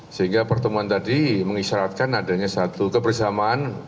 sehingga pertemuan tadi mengisyaratkan adanya satu kebersamaan